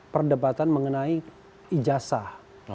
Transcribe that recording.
perdebatan mengenai ijazah